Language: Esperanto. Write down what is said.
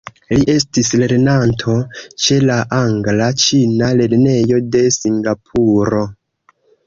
Li estis lernanto ĉe la Angla-Ĉina Lernejo de Singapuro.